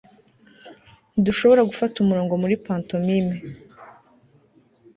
Ntidushobora gufata umurongo Muri pantomime